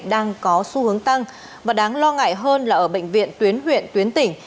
đang có xu hướng tăng và đáng lo ngại hơn là ở bệnh viện tuyến huyện tuyến tỉnh